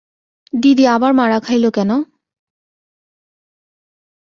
দিদি আবার মারা খাইল কেন?